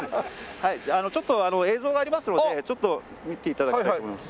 ちょっと映像がありますのでちょっと見て頂きたいと思います。